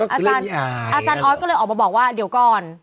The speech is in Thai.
อาจารย์ออสก็เลยออกมาบอกว่าเดี๋ยวก่อน